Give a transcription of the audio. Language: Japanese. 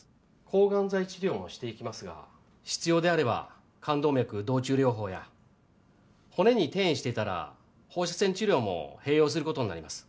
抗がん剤治療もしていきますが必要であれば肝動脈動中療法や骨に転移していたら放射線治療も併用する事になります。